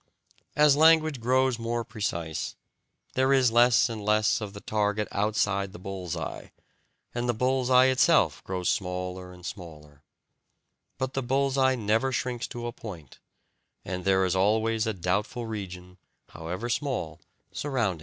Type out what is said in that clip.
As language grows more precise, there is less and less of the target outside the bull's eye, and the bull's eye itself grows smaller and smaller; but the bull's eye never shrinks to a point, and there is always a doubtful region, however small, surrounding it.